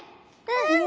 うん！